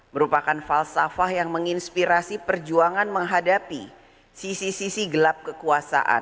merupakan falsafah yang menginspirasi perjuangan menghadapi sisi sisi gelap kekuasaan